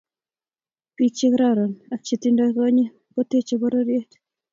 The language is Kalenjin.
bik chekororon ak che tindoi konyit koteche pororiet.